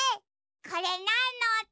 これなんのおと？